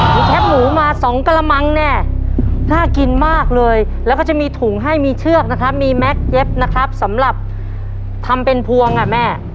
มีแคปหมูมาสองกระมังแน่น่ากินมากเลยแล้วก็จะมีถุงให้มีเชือกนะครับมีแม็กซเย็บนะครับสำหรับทำเป็นพวงอ่ะแม่